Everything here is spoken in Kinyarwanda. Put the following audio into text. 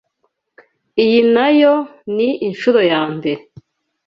Iyi nayo ni inshuro yambere.